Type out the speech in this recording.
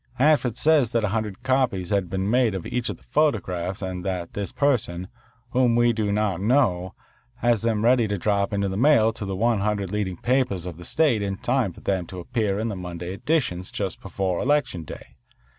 Hanford says that a hundred copies have been made of each of the photographs and that this person, whom we do not know, has them ready to drop into the mail to the one hundred leading papers of the state in time for them to appear in the Monday editions just before Election Day.